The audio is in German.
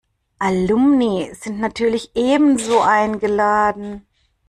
Alumni sind natürlich ebenso eingeladen.